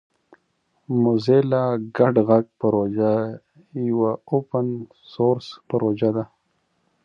موزیلا ګډ غږ پروژه یوه اوپن سورس پروژه ده.